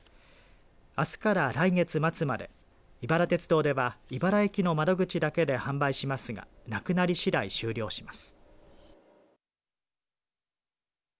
あすから来月末まで井原鉄道では井原駅の窓口だけで販売しますがなくなりしだい終了します。